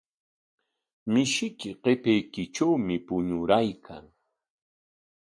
Mishiyki qipaykitrawmi puñuraykan.